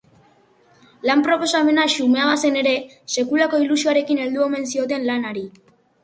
Lan-proposamena xumea bazen ere, sekulako ilusioarekin heldu omen zioten lanari.